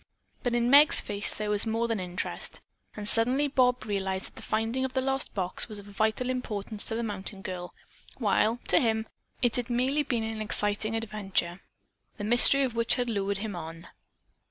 But in Meg's face there was more than interest, and suddenly Bob realized that the finding of the lost box was of vital importance to the mountain girl, while, to him, it had been merely an exciting adventure, the mystery of which had lured him on.